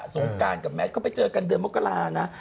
สงการกับแมทก็ไปเจอกันเดือนมกรานะ